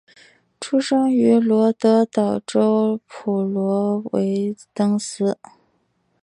出生于罗德岛州普罗维登斯。